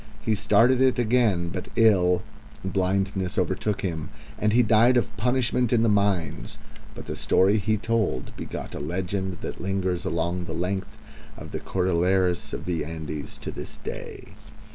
He started it again but ill, blindness overtook him, and he died of punishment in the mines; but the story he told begot a legend that lingers along the length of the Cordilleras of the Andes to this day.